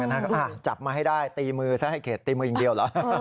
เสียงหญิงจับมาให้ได้ตีมือใส้เขตตีมืออีกนะ